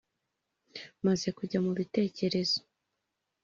Bamaze kujya mu bitekerezo.